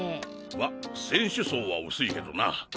ま選手層は薄いけどな。